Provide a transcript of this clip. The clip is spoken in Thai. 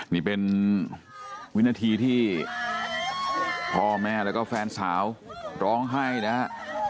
นี่เป็นวินาทีที่พ่อแม่แล้วก็แฟนสาวร้องไห้นะฮะ